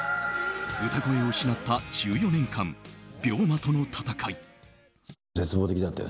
歌声を失った１４年間病魔との闘い。